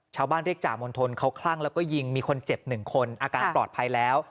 เรียกจ่ามณฑลเขาคลั่งแล้วก็ยิงมีคนเจ็บ๑คนอาการปลอดภัยแล้ว